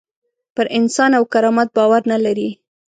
پر انسان او کرامت باور نه لري.